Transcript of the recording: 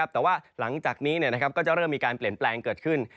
แต่ว่าหลังจากนี้ก็จะเริ่มมีการเปลี่ยนแปลงเกิดขึ้น